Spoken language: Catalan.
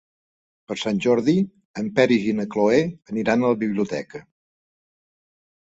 Per Sant Jordi en Peris i na Cloè aniran a la biblioteca.